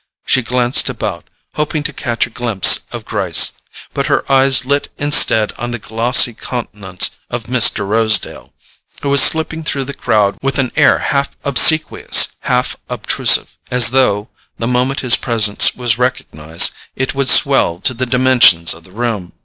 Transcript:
She glanced about, hoping to catch a glimpse of Gryce; but her eyes lit instead on the glossy countenance of Mr. Rosedale, who was slipping through the crowd with an air half obsequious, half obtrusive, as though, the moment his presence was recognized, it would swell to the dimensions of the room.